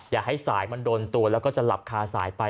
อย่าให้สายมันโดนตัวแล้วก็จะหลับคาสายไป